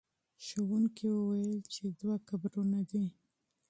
استاد وویل چې دوه قبرونه دي.